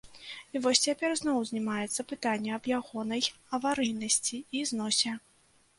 І вось цяпер зноў узнімаецца пытанне аб ягонай аварыйнасці і зносе.